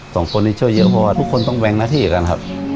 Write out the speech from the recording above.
สองคนนี้ช่วยเยอะเพราะว่าทุกคนต้องแบ่งหน้าที่กันครับ